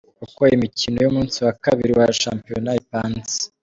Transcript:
Uko imikino y’umunsi wa Kabiri wa shampiyona ipanze:.